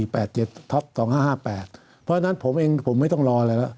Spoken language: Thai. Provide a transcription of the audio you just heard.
เพราะฉะนั้นผมเองผมไม่ต้องรออะไรแล้ว